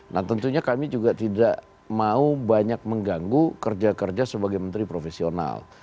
nah tentunya kami juga tidak mau banyak mengganggu kerja kerja sebagai menteri profesional